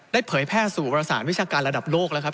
เผยแพร่สู่ประสานวิชาการระดับโลกแล้วครับ